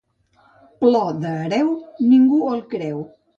Plor d'hereu, ningú el creu.